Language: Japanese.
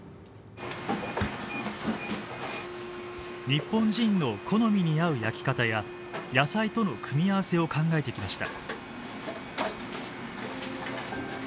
日本人の好みに合う焼き方や野菜との組み合わせを考えてきました。